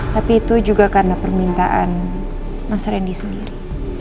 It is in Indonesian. tapi itu juga karena permintaan mas randy sendiri